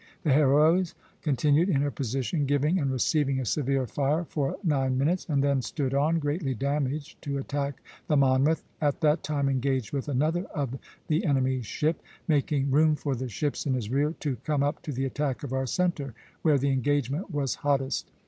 The 'Héros' continued in her position, giving and receiving a severe fire for nine minutes, and then stood on, greatly damaged, to attack the 'Monmouth,' at that time engaged with another of the enemy's ships, making room for the ships in his rear to come up to the attack of our centre, where the engagement was hottest.